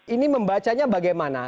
ini membacanya bagaimana